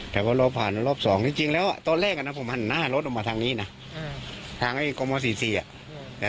แต่ว่าเราผ่านรอบสองจริงจริงแล้วตอนแรกอ่ะนะผมหันหน้ารถออกมาทางนี้น่ะอืม